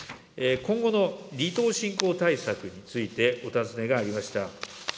今後の離島振興対策についてお尋ねがありました。